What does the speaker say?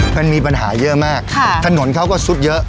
มันมีปัญหาเยอะมากถนนเขาก็ซุดเยอะ